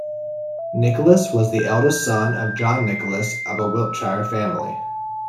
Nicholas was the eldest son of John Nicholas of a Wiltshire family.